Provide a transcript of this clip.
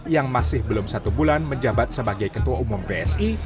yang masih belum satu bulan menjabat sebagai ketua umum psi